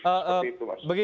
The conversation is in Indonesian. oke baik baik lagi